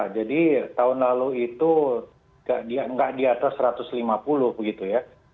jadi tahun lalu itu nggak di atas satu ratus lima puluh begitu ya